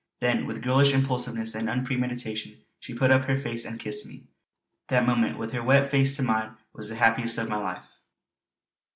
Then with girlish impulsiveness and unpremeditation she put up her face and kissed me. That moment, with her wet face to mine, was the happiest of my life.